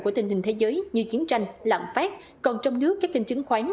của tình hình thế giới như chiến tranh lạm phát còn trong nước các kênh chứng khoán